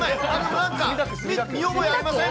なんか見覚えありません？